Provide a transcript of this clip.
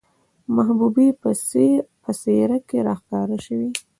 د محبوبې په څېره کې راښکاره شوې،